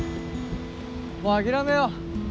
もう諦めよう。